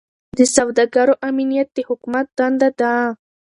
د سوداګرو امنیت د حکومت دنده ده.